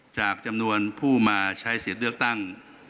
จำนวนผู้มาใช้สิทธิ์เลือกตั้ง